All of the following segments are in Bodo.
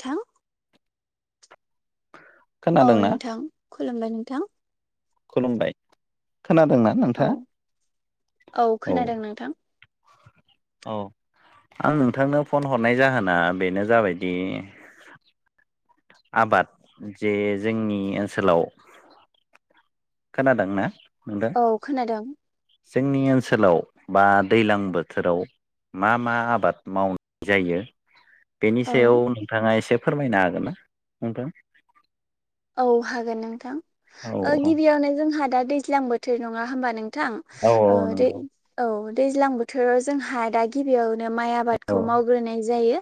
थां औ खोनादोंना नोंथां खुलुमबाय नोंथां खुलुमबाय खोनादोंना औ नोंथाङा औ खोनादों नोंथां अ आं नोंथांनो फन हरनाय जाहोना बेनो जाबायदि आबाद जे जोंनि ओनसोलाव खोनादों ना? औ खोनादों। जोंनि ओनसोलाव बा दैलां बोथोराव मा मा आबाद मावनाय जायो बेनि औ सायाव नोंथाङा एसे फोरमायनो हागोन ना नोंथां औ हागोन नोंथां औ ओ गिबियावनो जोंहा दा दैज्लां बोथोर नङा होमबा नों थां औ औ ओ दे नंगौ औ दैज्लां बोथोराव जोंहा दा गिबियावनो माइ औ आबादखौ मावग्रोनाय जायो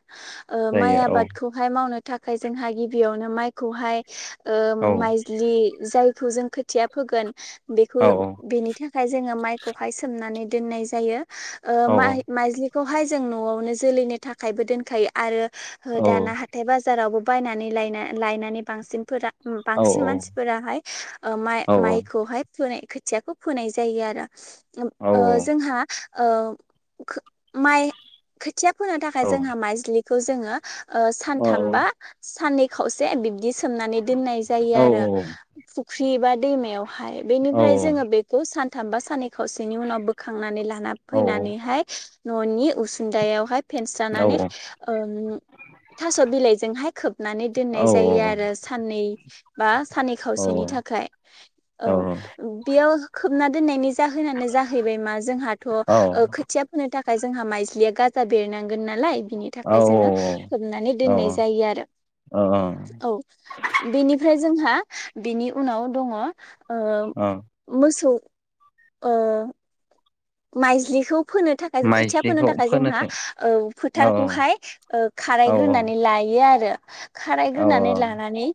ओ जायो माइ औ आबादखौहाय मावनो थाखाय जोंहा गिबियावनो माइखौहाय ओ औ माइज्लि जायखौ जों खोथिया फोगोन बेखौ औ बेनि थाखाय जोङो माइखौहाय सोमनानै दोननाय जायो ओ औ मा-माइज्लिखौहाय जों न'आवनो जोलैनो थाखायबो दोनखायो आरो ओ औ दाना हाथाय बाजारावबो बायनानै लायना-लायनानै बांसिनफोरा औ बांसिन मानसिफोराहाय ओ माइ-माइखौहाय फोनाय खोथियाखो फोनाय जायो आरो औ ओ जोंहा ओ खो माइ खोथिया फोनो थाखाय औ जोंहा माइज्लिखौ जोङो ओ सान्थाम बा साननै खावसे बिब्दि सोम दोननाय जायो औ आरो फुख्रि बा दैमायावहाय औ बेनिफ्राय जोङो बेखौ सान थामबा सानै खावसेनि उनाव बोखांनानै लाना औ फैनानैहाय न'नि उसुंदायावहाय औ फेनस्रानानै ओम थास' बिलाइजोंहाय खोबनानै औ दोननाय जायो आरो साननै बा सानै औ खावसेनि थाखाय औ बेयाव खो बना दोननायनि जाहोनानो जाहैबाय मा जोंहाथ' ओ खोथिया फोनो था खाय जोंहा माइज्लिया गाजा बेरनांगोन नालाय बिनि थाखाय जोङो खोबनानै औ दोननाय जायो आरो औ औ । बेनिफ्राय जोंहा बेनि उनाव दङ' ओ औ मोसौ ओ माइज्लिखौ फोनो थाखाय खोथिया फोनो थाखाय जोंहा ओ औ फोथारखौहाय ओ औ खारायग्रोनानै लायो आरो औ खारायग्रोनानै लानानै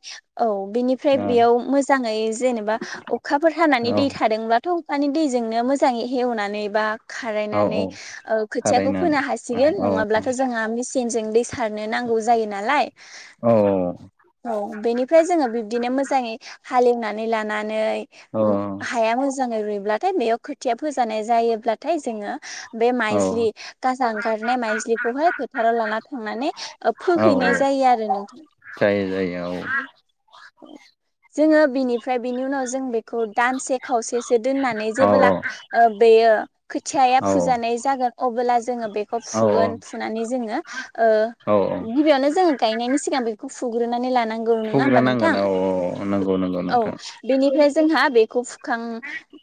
औ बेनिफ्राय बेयाव मोजाङै जेनेबा अखाफोर औ खानानै औ दै थादोंब्लाथ' माने दैजोंनो मोजाङै हेवनानै एवनानै बा औ खारायनानै औ ओ खोथिया खौ खारायनानै फोनो हासिगोन औ नंङा ब्लाथ' जोंहा मिस सिनजों दै सारनो नांगौ जायो नालाय औ औ बेनिफ्राय जोङो बिब्दिनो मोजाङै हालेवनानै लानानै औ हाया मोजाङै रुइब्लाथाय बेयाव खोथिया फोजानाय जायोब्लाथाय जोङो बे औ माइज्लि गाजा ओंखारनाय माइजलिखौहाय फोथाराव लाना थांनानै ओ औ फोहैनाय जायो जायो आरो नोंथां । जायो जायो औ । जोङो बिनिफ्राय बिनि उनाव जों बेखौ दानसे खावसेसो दोननानै औ जेबोला ओ यो खोथिया या औ फुजानाय जागोन । अब्ला जोङो बेखौ औ फुगोन फुनानै जोङो ओ औ गिबियावनो जोङो गायनायनि सिगां बेखौ फुग्रोनानै लांनांगौ नङा होनबा फुग्रोनांगोन नोंथां? औ औ नंगौ नंगौ औ नोंथां बेनिफ्राय जोंहा बेखौ फुखां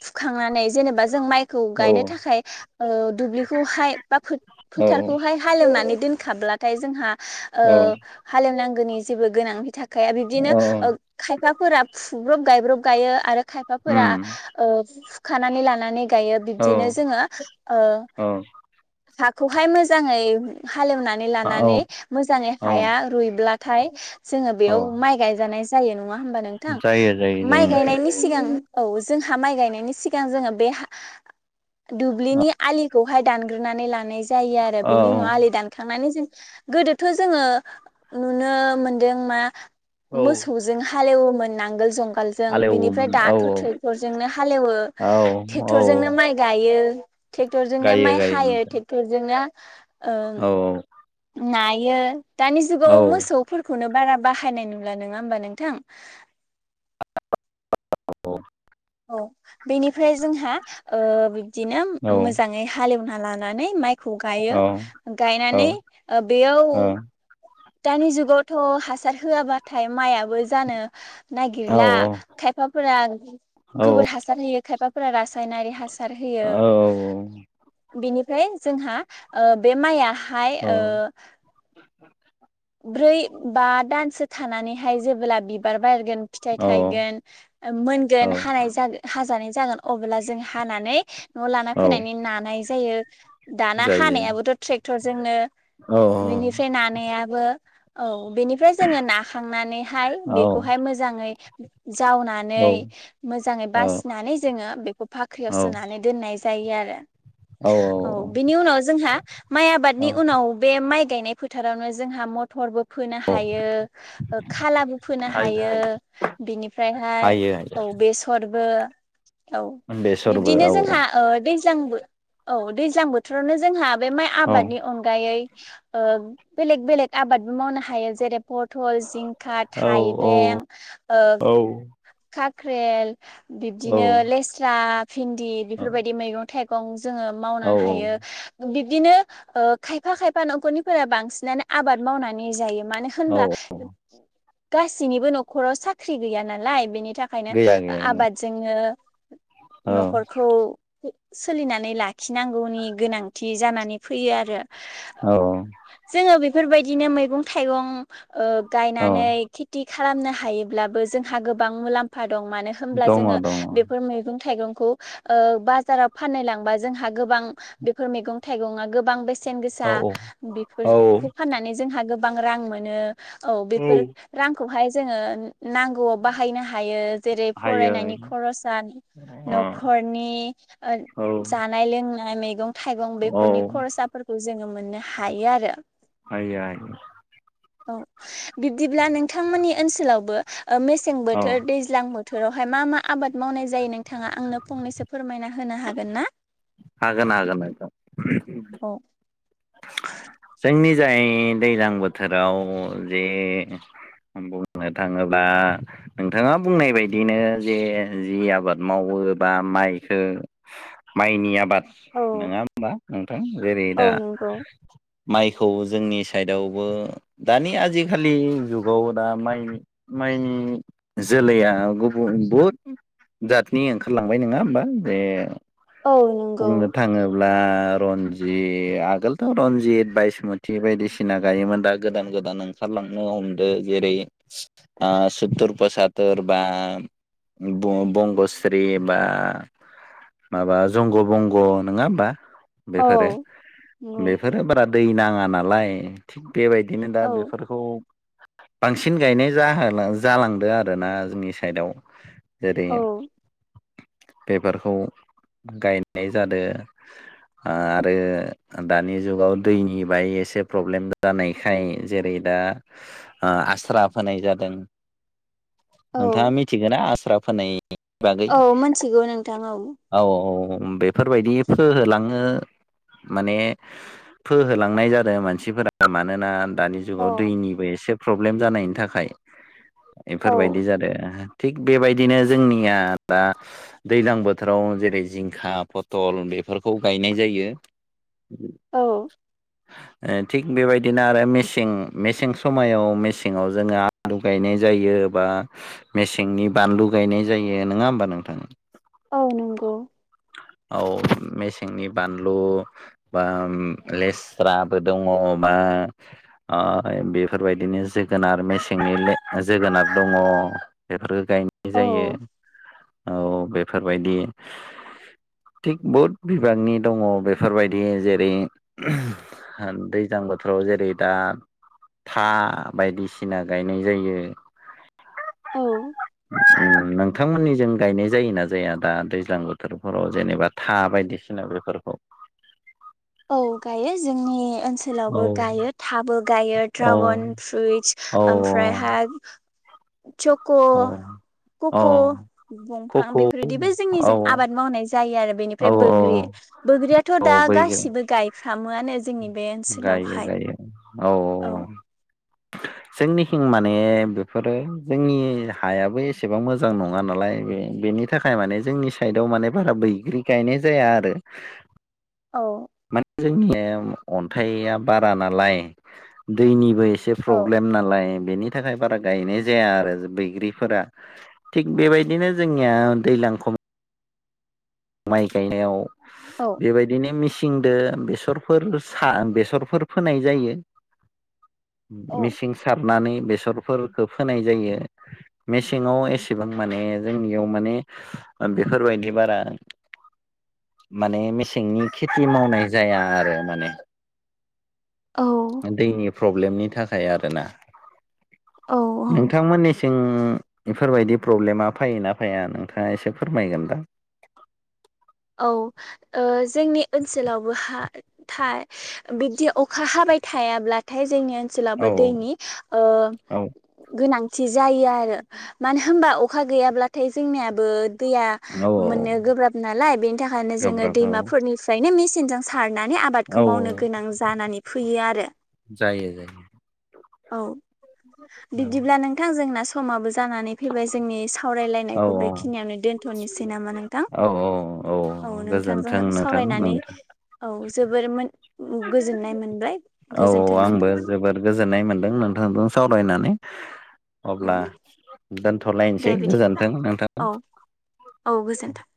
फुखांनानै जेनेबा जों माइ खौ औ गायनो थाखाय ओ दुब्लिखौहाय बा औ फोथारखौहाय हालेवनानै दोनखाब्ला नाथाय जोंहा ओ औ औ हालेव नांगौनि जेबो गोनांनि थाखाया बिदिनो खायफाफोरा फुब्रब गायब्रब गायो आरो खायफाफोरा ओ फुखानानै लानानै बिबदिनो जोङो ओ हाखौहाय मोजाङै हालेवनानै औ लानानै मोजाङै औ हाया रुइब्लाथाय जोङो औ बेयाव माइ गायजानाय जायो जायो नङा हबा नोंथां? जायो जायो माइ जायो नोंथां गायनायनि सिगां औ जोंहा माइ गायनायनि सिगां जोङो बे दुब्लिनि आलिखौहाय दानग्रोनानै लानाय जायो जायो आरो बिनि औ उनाव आलि दानखांनानै गोदोथ' जोङो नुनो मोनदों मा औ मोसौजों हालेवोमोन नांगोल जं गालजों बिनिफ्राय हालेवोमोन औ दाथ' ट्रेक्टर जोंनो हालेवो औ औ ट्रेक्टर जोंनो माइ गायो । यो ट्रेक्टरजों नो गायो माइ गायो हायो नोंथां ट्रेक्टरजों नो औ औ । नायो दानि जुगाव मोसौ फोरखौनो बारा बाहायनाय नुला नङा होमबा नोंथां? औ औ बेनिफ्राय जोंहा ओ बिब्दिनो औ मोजाङै हालेवना लानानै माइखौ गायो औ औ गायनानै ओ बेयाव औ दानि जुगावथ' हासार होआबाथाय माया बो जानो औ नागिरला खायफाफोरा गोबोर हासार होयो खायफाफोरा रासायनारि हासा सार होयो बेनिफ्राय जोंहा बे माइआ हाय औ ओ ब्रै बा दानसो थानानैहाय जेबोब्ला बिबार बारगोन फिथाय औ थायगोन औ मोनगोन हानाय जा हाजानाय जागोन । अब्ला जों हानानै न'आव लाना औ फैनानै नानाय जायो । दाना जायो हानायाबोथ' ट्रेक्टरजोंनो औ बिनिफ्राय नानायाबो औ । बेनिफ्राय जोङो नाखांनानैहाय औ बेखौहाय मोजाङै जावनानै औ मोजाङै बासिनानै जोङो बेखौ फाख्रियाव औ औ सोनानै दोननाय जायो आरो औ बिनि उनाव जोंहा माइ औ आबादनि उनाव बे माइ गायनाय फोथारावनो जोंहा मथरबो फोनो हायो खालाबो फोनो हायो बिनिफ्रायहाय हायो बेसरबो औ हायो बेसरबो बिब्दिनो औ जोंहा ओ दै ज्लां बो औ दैज्लां बोथोरावनो जोंहा बे माइ औ आबादनि अनगायै ओ बेलेग बेलेग आबादबो मावनो हायो जेरै पथल जिंखा औ औ थाइबें ओ काख्रेल बिब्दिनो औ लेस्रा भिन्दि बेफोरबायदि मैगं थाइगं । जोङो मावनो औ हायो बिब्दिनो ओखायफा खायफा नखरनिफोरा बांसिन आनो आबाद मावनानै जायो मानो होनब्ला औ गासैनिबो नखराव साख्रि गैया नालाय बेनि थाखायनो गैया गैया आबादजोंनो औ नखरखौ सोलिनानै लाखिनांगौनि गोनांथि जानानै फैयो आरो । औ ओ बेफोरबायदिनो मैगं थाइगं ओ औ गायनानै खेति खालामनो हायोब्लाबो जोंहा गोबां मुलाम्फा दं मानो होनब्ला दङ जोङो दङ औ बेफोर मैगं थाइगंखौ ओ बाजाराव फाननो लांबा जोंहा गोबां बेफोर मैगं थाइगंङा गोबां बे सेन गोसा औ औ बेफोरखौ फाननानै जोंहा गोबां रां मोनो । औ बेफोर रांखौहाय जोङो नांगौआव बाहायनो हायो । जेरै हायो फरायनायनि खरसा अ नखरनि ओ औ जानाय लों नाय मैगं थाइगं औ बेफोरनि खरसाफोरखौ जोङो मोननो हायो आरो । हायो हायो । औ बिब्दिब्ला नोंथांमोननि ओनसोलावबो ओ मेसें औ बोथोर दैज्लां बो थोरावहाय मा मा आबाद मावनाय जायो नोंथाङा आंनो फंनैसो फोरमायना होनो हागोन ना? हागोन हागोन नोंथां । औ जोंनि जाय दैज्लां बोथोराव जे बुंनो थाङोब्ला नोंथाङा बुंनाय बायदिनो जे जि आबाद मावो वोबा माइखौ माइनि आबाद औ नङा होमबा नोंथां जेरै औ दा नंगौ । माइखौ जोंनि साइदावबो दानि आजिखालि जुगाव दा माइ माइनि जोलैया गुबुन बहुद जातनि ओंखारलांबाय नङा होमबा? जे औ नंगौ । [unintelligible] रन्जि [unintelligible] आगोलथ'रनजित बायसमति बायदिसिना गायोमोन दा गोदान गोदान ओंखारलांनो हमदों जेरै सत्तुर फसातर बा बंगस्रि बा माबा जंग बंग नङा होमबा? बेफोरो औ नंगौ बेफोरो बारा दै नाङा नालाय थिग बेबायदिनो दा बेफोरखौ बांसिन गायनाय जा जालांदों आरोना जोंनि साइदआव । जेरै औ बेफोरखौ गायनाय जादों आरो दानि जुगाव दैनि बाय एसे प्रब्लेम जानायखाय जेरै दा आस्रा फोनाय जादों नोंथाङा औ मिथिगोना आस्रा फोनाय फोनायनि बागै औ मोनथिगौ नोंथां औ औ औ ओम बेफोरबायदि फोहोलाङो माने फोहोलांनाय जादों मानसिफोरा मानोना दानि जुगाव औ दैनिबो एसे प्रब्लेम जानायनि थाखाय औ एफोरबायदि जादों थिग बेबायदिनो जोंनिया दा दैज्लां बोथोराव जेरै जिंखा फथल बे बेफोरखौ गायनाय जायो। औ [inaudible] थिग बेबायदिनो आरो मेसें मेसें समायाव मेसेङाव जोङो आलु गायनाय जायो बा मेसेंनि बानलु गायनाय जायो नङा होनबा नोंथां। औ नंगौ। औ मेसेंनि बानलु बा लेस्राबो दङ। बा बेफोरबायदिनो जोगोनार मेसेंनि जोगोनार दङ। बेफोरखौ गायनाय औ जायो औ बेफोरबायदि थिग बुहुद बिबांनि दङ बेफोरबायदि जेरै दैज्लां बोथोराव जेरै दा था बायदिसिना गायनाय जायो। औ उम नोंथांमोननि जों गायनाय जायोना जाया दा दैज्लां बोथोरफोराव जेनेबा था बायदिसिना बेफोरखौ? औ गायो जोंनि ओन औ सोलावबो गायो थाबो गायो औ ड्रागन फ्रुइटस औ ओमफ्राय हाय चख' औ कक' औ बंफां खखौ बेफोरबायदिबो औ जोंनिजों आबाद मावनाय जायो आरो बेनिफ्राय औ औ बोग्रि। बोग्रियाथ' औ दा बै गासिबो गायफ्रामोआनो जोंनि बे गायो ओनसोलावहाय गायो औ औ औ जोंनिखिं माने बेफोरो जोंनि हायाबो एसेबां मोजां नङा ना‌ लाय बेनि थाखाय माने जोंनि साइदआव माने बारा बैग्रि गायनाय जाया आरो औ माने जोंनिया अन्थाइया बारा नालाय दैनिबो एसे औ प्रब्लेम नालाय बेनि थाखाय बारा गायनाय जाया आरो बैग्रिफोरा थिग बेबायदिनो जोंनिया दैलां [unintelligible] माइ गायनायाव औ बेबायदिनो मेसिन सिनदो बेसरफोर सा बेसरफोर फोनाय जायो। औ मिसिं सारनानै बेसरफोरखो फोनाय जायो। मेसेङाव एसेबां माने जोंनियाव माने बेफोरबायदि बारा माने मेसेंनि खेथि मावनाय जाया आरो माने। औ दैनि प्रब्लेमनि थाखाय आरोना औ औ नोंथांमोननिसो थिं बेफोरबायदि प्रब्लेमा फैयोना फैया नोंथाङा एसे फोरमायगोनदा? औ जोंनि ओनसोलावबो हा था बिबदि अखा हाबाय थायाब्लाथाय जोङो ओनसोलावबो औ दैनि औ गोनांथि जायो आरो मानो होमबा अ‌ खा गैयाब्लाथाय जोंनियाबो दैया औ मोननो गोब्राब नालाय बेनि थाखायनो जोङो गोब्राब औ दैमाफोरनिफ्रायनो मेचिनजों सारनानै औ आबादखौ मावनो गोनां जानानै फै फैयो आरो जायो औ औ बिदिब्ला नोंथां जोंना समाबो जानानै फैबाय जोंनि औ सावरायलायनायखौ बेखिनियावनो दोनथ'नोसै नामा नोंथां? औ औ नोंथांजों गोजोन्थों नोंथां सावरायनानै नोंथां औ जोबोर मो गोजोननाय मोनबाय। औ गोजोन्थों आंबो नोंथां जोबोद गोजोननाय मोनदों नोंथांजों सावरायनानै अब्ला औ दे दोनथ'लायनोसै बिदिब्ला गोजोन्थों नोंथां। औ औ गोजोन्थों।